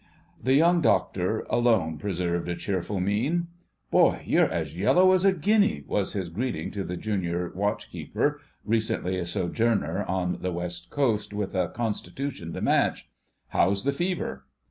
The Young Doctor alone preserved a cheerful mien. "Boy, you're as yellow as a guinea!" was his greeting to the Junior Watch keeper (recently a sojourner on the West Coast, with a constitution to match). "How's the fever?"